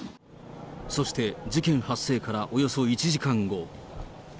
そして事件発生からおよそ１時間後。